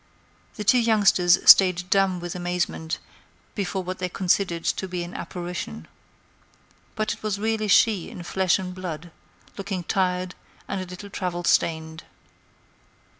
The two youngsters stayed dumb with amazement before what they considered to be an apparition. But it was really she in flesh and blood, looking tired and a little travel stained.